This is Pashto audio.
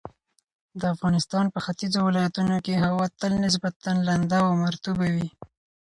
د افغانستان په ختیځو ولایتونو کې هوا تل نسبتاً لنده او مرطوبه وي.